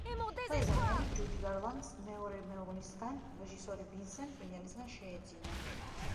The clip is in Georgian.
ლაიზა მინელი ჯუდი გარლანდს მეორე მეუღლისგან რეჟისორი ვინსენტ მინელისგან შეეძინა.